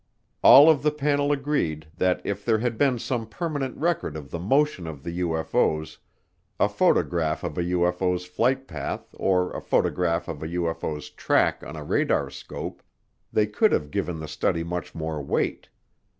All of the panel agreed that if there had been some permanent record of the motion of the UFO's, a photograph of a UFO's flight path or a photograph of a UFO's track on a radarscope, they could have given the study much more weight.